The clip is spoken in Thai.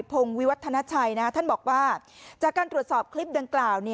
พงศ์วิวัฒนาชัยท่านบอกว่าจากการตรวจสอบคลิปดังกล่าว